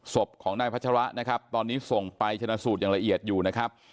ศพของนายพัชระนะครับตอนนี้ส่งไปชนะสูตรอย่างละเอียดอยู่นะครับ